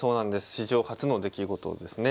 史上初の出来事ですね。